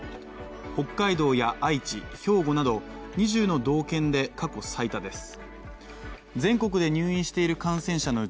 北海道や愛知、兵庫など２０の道県で過去最多です。